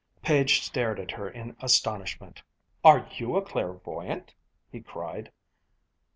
Page stared at her in astonishment. "Are you a clairvoyant?" he cried.